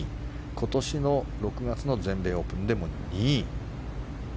今年の６月の全米オープンでも２位。